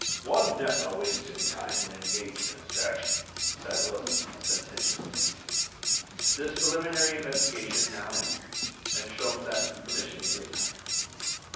"One never wastes his time when engaged in a search," said Wilson, sententiously. This preliminary investigation now ended, and Sholmes asked permission to retire.